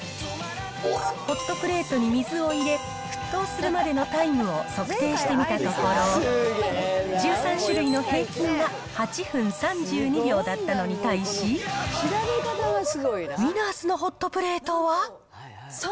ホットプレートに水を入れ、沸騰するまでのタイムを測定してみたところ、１３種類の平均が８分３２秒だったのに対し、３分４８秒です。